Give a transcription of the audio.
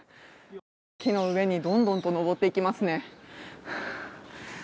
木の上にどんどんと登っていきますね。